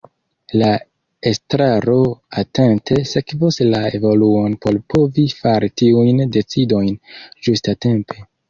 La Estraro atente sekvos la evoluon por povi fari tiujn decidojn ĝustatempe.